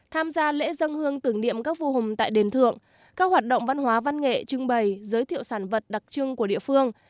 tham gia lễ dân hương tưởng niệm các vua hùng tại đền thượng các hoạt động văn hóa văn nghệ trưng bày giới thiệu sản vật đặc trưng của địa phương